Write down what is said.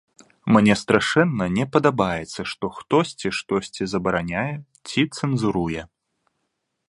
Мне страшэнна не падабаецца, што хтосьці штосьці забараняе ці цэнзуруе.